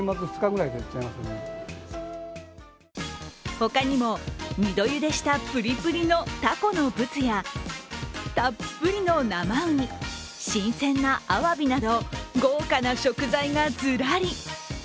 他にも、二度ゆでしたぷりぷりのタコのぶつやたっぷりの生ウニ、新鮮なアワビなど豪華な食材がずらり。